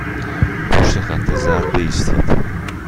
پشت خط زرد بایستید.